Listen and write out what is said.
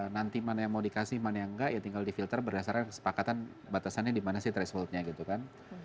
nanti mana yang mau dikasih mana yang enggak ya tinggal di filter berdasarkan kesepakatan batasannya di mana sih thresholdnya gitu kan